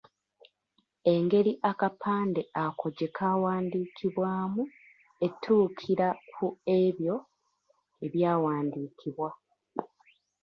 Engeri akapande ako gye kaawandiibwamu etuukira ku ebyo ebyawandiikibwa.